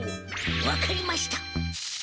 分かりました。